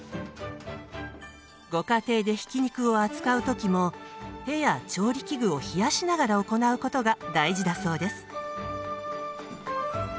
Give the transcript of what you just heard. ご家庭でひき肉を扱う時も手や調理器具を冷やしながら行うことが大事だそうです。